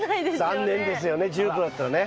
残念ですよね１０℃だったらね。